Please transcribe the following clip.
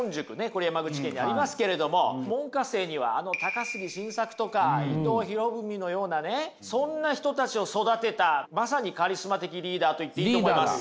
これ山口県にありますけれども門下生にはあの高杉晋作とか伊藤博文のようなねそんな人たちを育てたまさにカリスマ的リーダーと言っていいと思います。